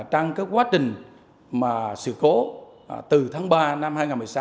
trăng quá trình sự cố từ tháng ba năm hai nghìn một mươi sáu